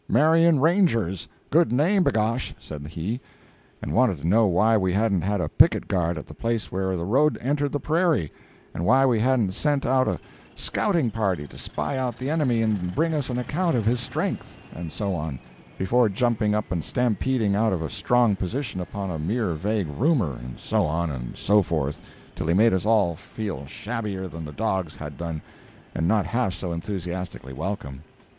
'Marion Rangers! good name, b'gosh!' said he. And wanted to know why we hadn't had a picket guard at the place where the road entered the prairie, and why we hadn't sent out a scouting party to spy out the enemy and bring us an account of his strength, and so on, before jumping up and stampeding out of a strong position upon a mere vague rumour and so on, and so forth, till he made us all feel shabbier than the dogs had done, and not half so enthusiastically welcome.